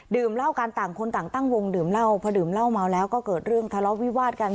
เหล้ากันต่างคนต่างตั้งวงดื่มเหล้าพอดื่มเหล้าเมาแล้วก็เกิดเรื่องทะเลาะวิวาดกัน